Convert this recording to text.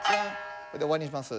で終わりにします。